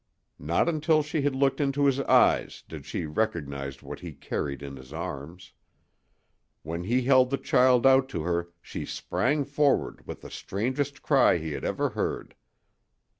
Not until she had looked into his eyes did she recognize what he carried in his arms. When he held the child out to her she sprang forward with the strangest cry he had ever heard.